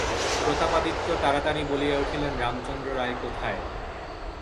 প্রতাপাদিত্য তাড়াতাড়ি বলিয়া উঠিলেন, রামচন্দ্র রায় কোথায়?